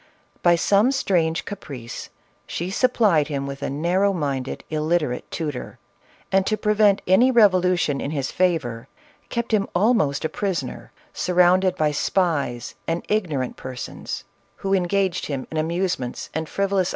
By some strange caprice, she supplied him with a narrow minded, illiterate tutor, and to prevent any revolution in his favor, kept him almost a prisoner, surrounded by spies and ignorant persons who engaged him in amusements and frivolous CATHERINE OF RUSSIA.